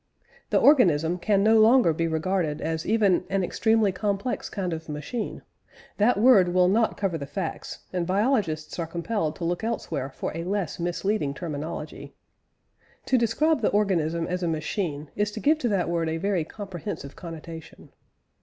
" The organism can no longer be regarded as even an extremely complex kind of machine; that word will not cover the facts, and biologists are compelled to look elsewhere for a less misleading terminology. To describe the organism as a machine, is to give to that word a very comprehensive connotation.